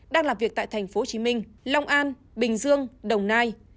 đang làm việc tại tp hcm long an bình dương đồng nai